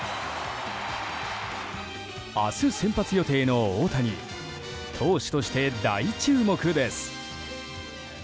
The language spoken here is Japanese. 明日、先発予定の大谷投手として大注目です。